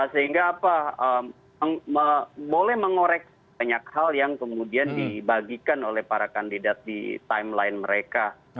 sehingga apa boleh mengorek banyak hal yang kemudian dibagikan oleh para kandidat di timeline mereka